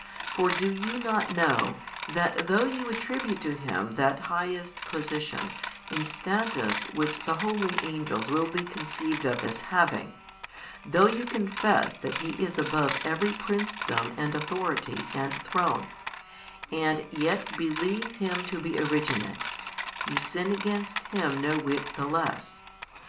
For do you not know, that though you attribute to Him that highest position and status which the holy angels will be conceived of as having, though you confess that He is above every Princedom and Authority and Throne, and yet believe Him to be originate, you sin against Him no whit the less?